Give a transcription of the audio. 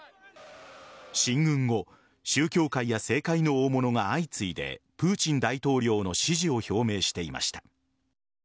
進軍後宗教家や政界の大物が相次いでプーチン大統領の支持を表明していました。